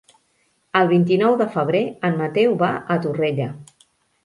El vint-i-nou de febrer en Mateu va a Torrella.